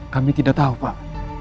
kami tidak tahu pak